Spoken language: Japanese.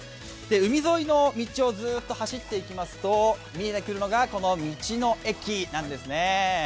海沿いの道をずーっと走っていきますと見えてくるのがこの道の駅なんですね。